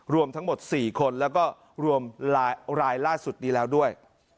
รวมทั้งหมด๔คนแล้วก็รวมรายล่าสุดนี้แล้วด้วย